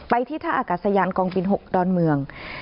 ไปที่ทหารกัดสยานกองบิน๖ดอนเมือง